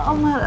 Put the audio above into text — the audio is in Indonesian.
oh ya allah